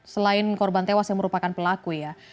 selain korban tewas yang merupakan pelaku ya